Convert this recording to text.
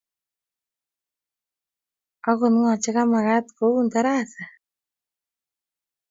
Angot ng'o che komakat koun tarasa?